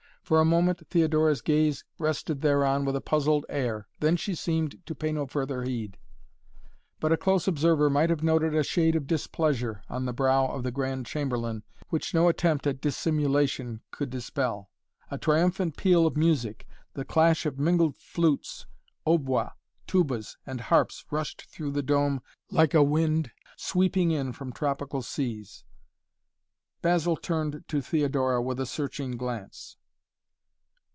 For a moment Theodora's gaze rested thereon with a puzzled air, then she seemed to pay no farther heed. But a close observer might have noted a shade of displeasure on the brow of the Grand Chamberlain, which no attempt at dissimulation could dispel. A triumphant peal of music, the clash of mingled flutes, hautboys, tubas and harps rushed through the dome like a wind sweeping in from tropical seas. Basil turned to Theodora with a searching glance.